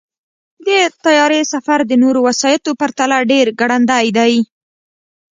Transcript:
د طیارې سفر د نورو وسایطو پرتله ډېر ګړندی دی.